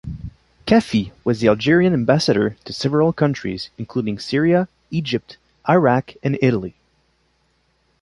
Kafi was the Algerian ambassador to several countries, including Syria, Egypt, Iraq and Italy.